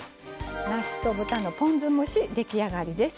なすと豚のポン酢蒸し出来上がりです。